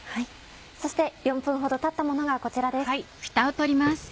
そして４分ほどたったものがこちらです。